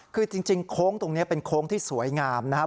คือจริงโค้งตรงนี้เป็นโค้งที่สวยงามนะครับ